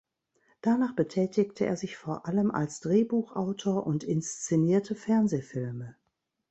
Danach betätigte er sich vor allem als Drehbuchautor und inszenierte Fernsehfilme.